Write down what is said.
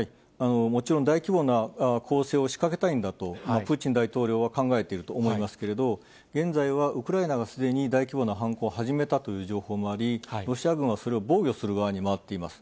もちろん大規模な攻勢を仕掛けたいんだと、プーチン大統領は考えていると思いますけれど、現在はウクライナがすでに大規模な反攻を始めたというロシア軍がそれを防御する側に回っています。